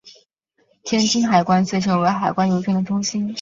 天津海关遂成为海关邮政的中心。